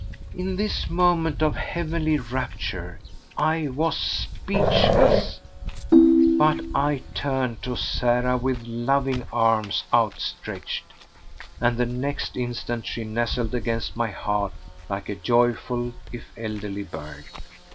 In this moment of heavenly rapture I was speechless, but I turned to Sarah with loving arms outstretched, and the next instant she nestled against my heart like a joyful if elderly bird.